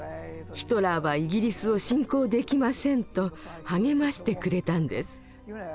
ヒトラーはイギリスを侵攻できません」と励ましてくれたんです。